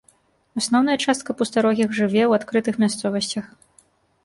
Асноўная частка пустарогіх жыве ў адкрытых мясцовасцях.